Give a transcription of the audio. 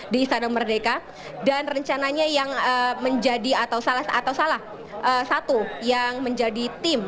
di istana merdeka dan rencananya yang menjadi atau salah atau salah satu yang menjadi tim